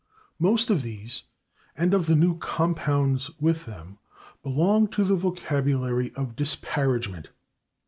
Most of these, and of the new compounds with them, belong to the vocabulary of disparagement.